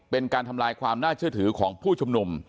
เป็นการทำลายความน่าเชื่อถือของผู้ชุมนุม